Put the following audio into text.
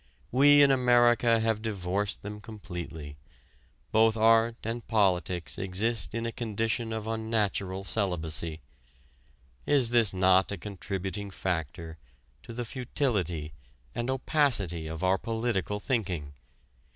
We in America have divorced them completely: both art and politics exist in a condition of unnatural celibacy. Is this not a contributing factor to the futility and opacity of our political thinking?